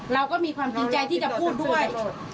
เราก็มีความจริงใจที่จะพูดด้วย